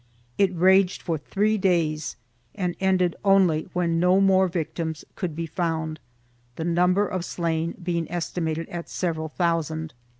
It raged for three days and ended only when no more victims could be found, the number of slain being estimated at several thousand.